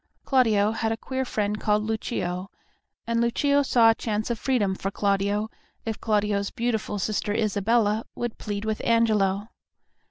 Claudio had a queer friend called Lucio, and Lucio saw a chance of freedom for Claudio if Claudio's beautiful sister Isabella would plead with Angelo.